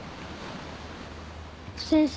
先生